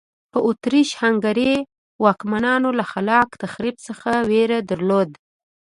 په اتریش هنګري واکمنانو له خلاق تخریب څخه وېره درلوده.